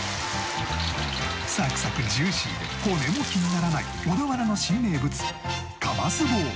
サクサクジューシー骨も気にならない小田原の新名物かます棒